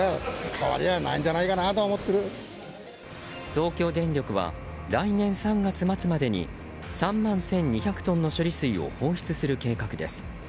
東京電力は来年３月末までに３万１２００トンの処理水を放出する計画です。